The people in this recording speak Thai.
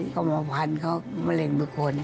ก็มาพันเขามะเร็งบางคน